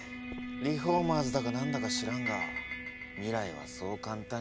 リフォーマーズだか何だか知らんが未来はそう簡単には変わらんよ。